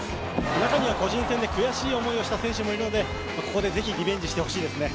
中には、個人戦で悔しい思いをした選手もいるのでここでぜひリベンジしてほしいですね。